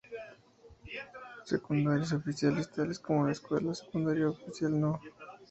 Secundarias oficiales tales como la Escuela secundaria oficial No.